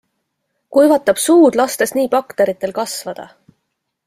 Kuivatab suud, lastes nii bakteritel kasvada.